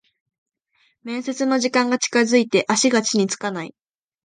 面接の時間が近づいて足が地につかない